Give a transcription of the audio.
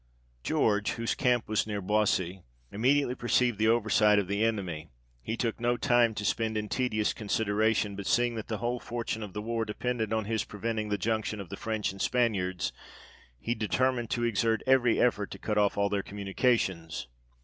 George, whose camp was near Boissy, immediately perceived the oversight of the enemy ; he took no time to spend in tedious consideration, but seeing that the whole fortune of the war depended on his preventing the junction of the French and Spaniards, he deter mined to exert every effort to cut off all their communi cations.